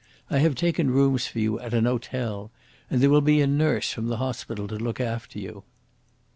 I have taken rooms for you at an hotel, and there will be a nurse from the hospital to look after you."